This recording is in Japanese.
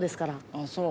あっそう。